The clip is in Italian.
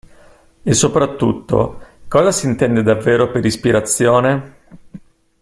E soprattutto, cosa s'intende davvero per ispirazione?